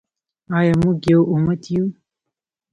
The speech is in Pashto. آیا موږ یو امت یو؟